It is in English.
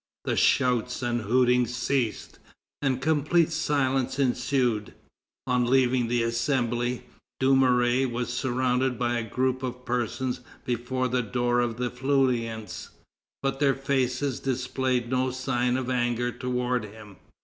The shouts and hootings ceased, and complete silence ensued. On leaving the Assembly, Dumouriez was surrounded by a group of persons before the door of the Feuillants, but their faces displayed no signs of anger toward him.